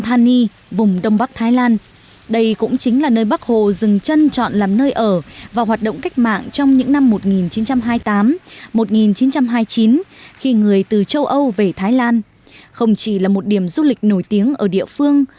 một nghìn chín trăm hai mươi chín khi người từ châu âu về thái lan không chỉ là một điểm du lịch nổi tiếng ở địa phương